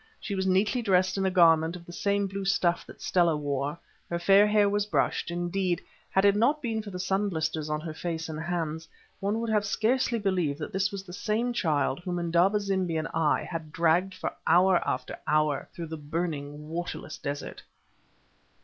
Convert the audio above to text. She was neatly dressed in a garment of the same blue stuff that Stella wore, her fair hair was brushed; indeed, had it not been for the sun blisters on her face and hands, one would scarcely have believed that this was the same child whom Indaba zimbi and I had dragged for hour after hour through the burning, waterless desert.